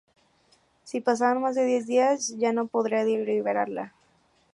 Si pasaban más de diez días ya no podría liberarla.